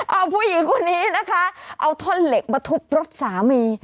เอาผู้หญิงคนนี้นะคะเอาท่อนเหล็กมาทุบรถสามี